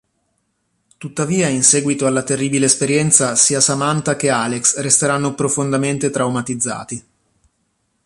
Tuttavia in seguito alla terribile esperienza sia Samantha che Alex resteranno profondamente traumatizzati.